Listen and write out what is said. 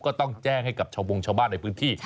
ก็ต้องแจ้งให้กับชาวบงชาวบ้านในพื้นที่